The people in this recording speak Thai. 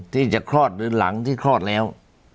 ที่จะคลอดหรือหลังที่คลอดแล้ว